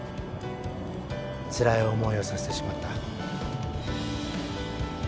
つらい思いをさせてしまった。